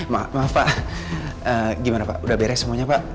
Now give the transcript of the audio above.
maaf maaf pak gimana pak udah beres semuanya pak